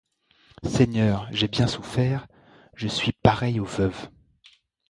Seigneur. J'ai bien souffert. Je suis pareil aux veuves